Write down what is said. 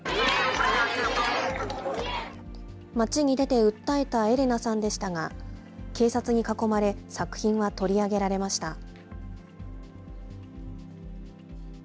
街に出て訴えたエレナさんでしたが、警察に囲まれ、作品は取り上げられました。